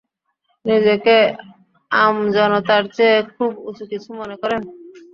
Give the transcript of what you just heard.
নিজেকে আমজনতার চেয়ে খুব উঁচু কিছু মনে করেন?